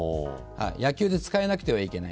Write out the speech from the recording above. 野球で使えなくてはいけない。